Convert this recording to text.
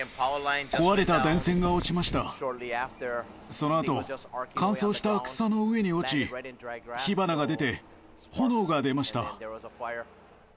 そのあと乾燥した草の上に落ち火花が出て、炎が出ました。